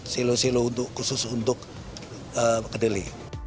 silo silo khusus untuk kedelai